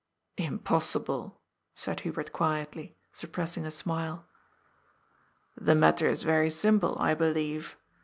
" Impossible," said Hubert quietly, suppressing a smile. "The matter is very simple, I believe.